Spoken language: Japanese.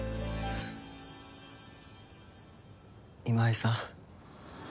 今井さん？